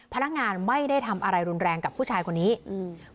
พนักงานไม่ได้ทำอะไรรุนแรงกับผู้ชายคนนี้อืม